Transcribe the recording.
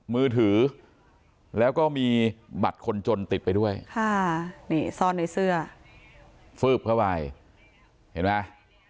มือถือแล้วก็มีบัตรคนจนติดไปด้วยค่ะนี่ซ่อนในเสื้อฟืบเข้าไปเห็นไหม